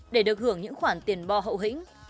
để được hưởng những khoản tiền bo hậu hĩnh